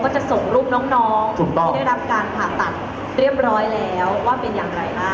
จะส่งรูปน้องที่ได้รับการผ่าตัดเรียบร้อยแล้วว่าเป็นอย่างไรบ้าง